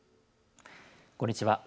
こんにちは。